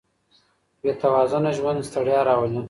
بې توازنه ژوند ستړیا راولي.